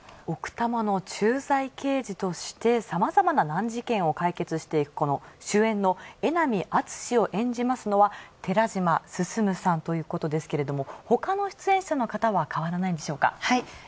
奥多摩の駐在刑事としてさまざまな難事件を解決していくこの主演の江波敦史を演じますのは寺島進さんということですけれども他の出演者の方は変わらないんでしょうか？